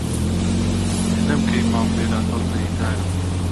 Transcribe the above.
نەم کەی ماڵ وێران دڵ بریندارم